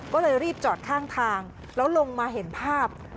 ก็เลยรีบจอดข้างทางแล้วลงมาเห็นภาพ